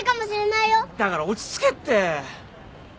だから落ち着けって。